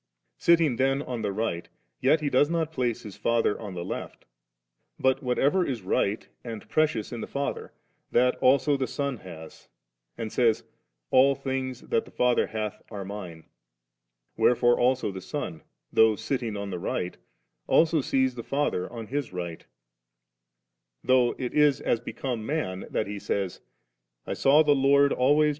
Sitting then on the right, yet He does not place His Father on the left*; but whatever is rights and precious in the Father, that also the Son has, and says, * All things that the Father hath are Mine ".' Wherefore also the Son, though sitting on the right, also sees the Father on the right, though it be as become man that He says, * I saw the Lord always before My face, for He is on My right hand, therefore 1 shall not fall